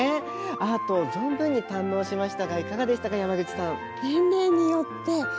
アートを存分に堪能しましたがいかがでしたか山口さん。